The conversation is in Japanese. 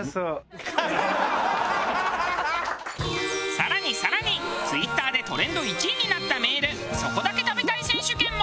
更に更にＴｗｉｔｔｅｒでトレンド１位になったメールそこだけ食べたい選手権も！